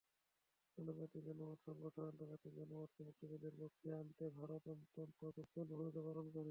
আন্তর্জাতিক জনমত সংগঠনআন্তর্জাতিক জনমতকে মুক্তিযুদ্ধের পক্ষে আনতে ভারত অত্যন্ত গুরুত্বপূর্ণ ভূমিকা পালন করে।